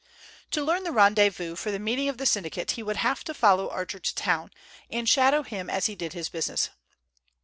To learn the rendezvous for the meeting of the syndicate he would have to follow Archer to town, and shadow him as he did his business.